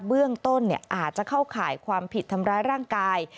เบื้องต้นอาจจะเข้าข่ายความผิดทำร้ายร่างกาย